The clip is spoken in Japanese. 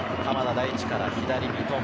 大地から左、三笘。